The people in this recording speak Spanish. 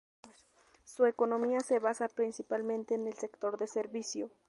Su economía se basa principalmente en el sector de servicios.